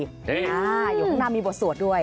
อยู่ข้างหน้ามีบทสวดด้วย